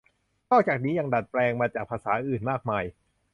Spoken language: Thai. นอกจากนี้ยังดัดแปลงมาจากภาษาอื่นมากมาย